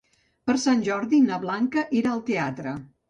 Per Sant Jordi na Blanca irà al teatre.